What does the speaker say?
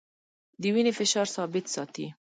د وینې فشار ثابت ساتي.